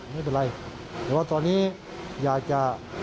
ไม่เป็นไรแต่ว่าตอนนี้อยากจะ